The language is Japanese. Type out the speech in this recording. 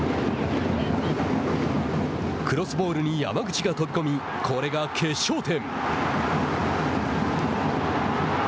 クロスボールに山口が呼び込みこれが決勝点。